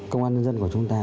công an nhân dân của chúng ta